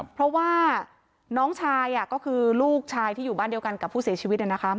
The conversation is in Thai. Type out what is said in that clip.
เพราะว่าน้องชายก็คือลูกชายที่อยู่บ้านเดียวกันกับผู้เสียชีวิต